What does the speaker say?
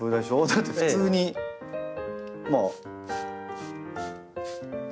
だって普通にまあ。